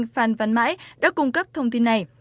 phan văn mãi đã cung cấp thông tin này